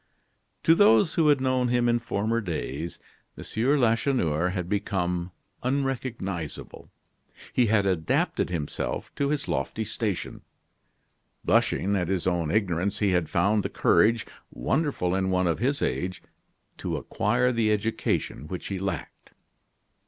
To those who had known him in former days, M. Lacheneur had become unrecognizable. He had adapted himself to his lofty station. Blushing at his own ignorance; he had found the courage wonderful in one of his age to acquire the education which he lacked.